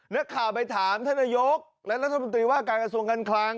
นักข่าวไปถามท่านนายกและรัฐมนตรีว่าการกระทรวงการคลัง